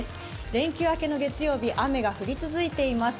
連休明けの月曜日雨が降り続いています。